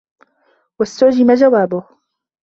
وَاسْتُعْجِمَ جَوَابُهُ